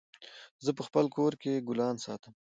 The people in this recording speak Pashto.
زه په خپل کور کي ګلان ساتم